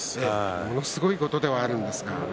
ものすごいことではあるんですが。